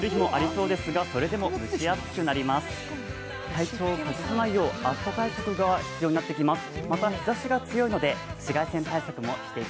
体調を崩さないよう暑さ対策も必要になってきます。